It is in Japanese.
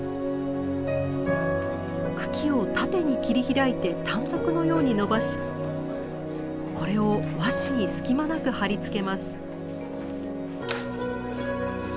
茎を縦に切り開いて短冊のようにのばしこれを和紙に隙間なく貼り付けます。